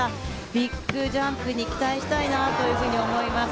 ビッグジャンプに期待したいなと思います。